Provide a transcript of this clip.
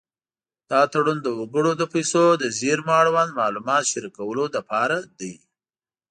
دا تړون د وګړو د پیسو د زېرمو اړوند معلومات شریکولو لپاره دی.